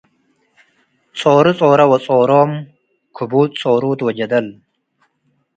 ጾሩ ጾረ ወጾሮም - ክቡድ ጾሩቱ ወጀደል